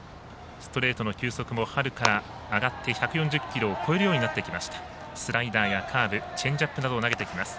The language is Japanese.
ストレートの球速も春から上がって１４０キロを超えるようになってきました。